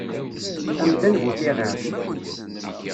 Amdan bu tiɣiṛt.